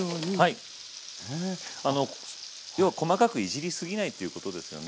要は細かくいじりすぎないっていうことですよね。